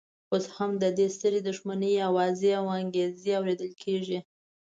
اوس هم د دې سترې دښمنۍ اوازې او انګازې اورېدل کېږي.